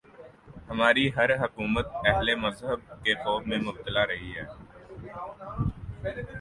ہماری ہر حکومت اہل مذہب کے خوف میں مبتلا رہی ہے۔